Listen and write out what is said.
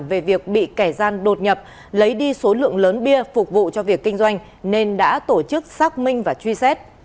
về việc bị kẻ gian đột nhập lấy đi số lượng lớn bia phục vụ cho việc kinh doanh nên đã tổ chức xác minh và truy xét